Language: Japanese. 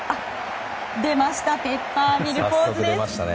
出ましたペッパーミルポーズです。